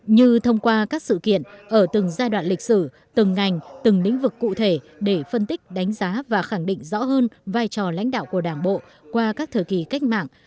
như thông qua các sự kiện ở từng giai đoạn lịch sử từng ngành từng lĩnh vực cụ thể để phân tích đánh giá và khẳng định rõ hơn vai trò lãnh đạo của đảng bộ qua các thời kỳ cách mạng